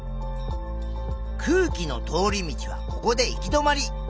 空気の通り道はここで行き止まり。